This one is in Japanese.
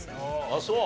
あっそう。